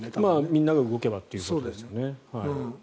みんなが動けばということですよね。